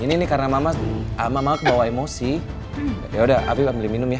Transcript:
ini karena mama sama kamu bawah emosi ya udah abra minum ya